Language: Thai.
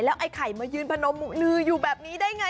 แล้วไอ้ไข่มายืนพะนมหมูนืออยู่แบบนี้ได้ไง